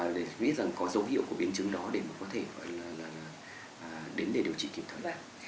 để biết rằng có dấu hiệu của biến chứng đó để có thể đến để điều trị kịp thời